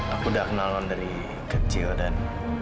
aku udah kenal dari kecil dan